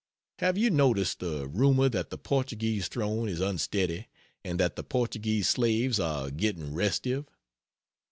Have you noticed the rumor that the Portuguese throne is unsteady, and that the Portuguese slaves are getting restive?